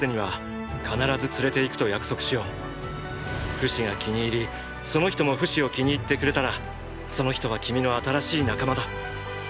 フシが気に入りその人もフシを気に入ってくれたらその人は君の新しい仲間だ。